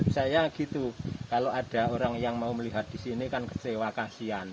saya gitu kalau ada orang yang mau melihat di sini kan kecewa kasian